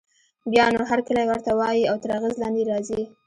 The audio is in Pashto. بيا نو هرکلی ورته وايي او تر اغېز لاندې يې راځي.